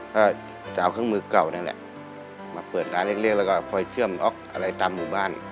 ก็จะเอาเครื่องมือเก่านั่นแหละมาเปิดร้านเล็กแล้วก็คอยเชื่อมน็อกอะไรตามหมู่บ้าน